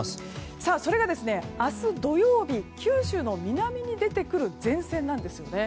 それが明日土曜日九州の南に出てくる前線です。